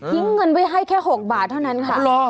เงินไว้ให้แค่๖บาทเท่านั้นค่ะ